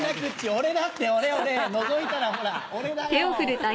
俺だって俺俺のぞいたらほら俺だよ。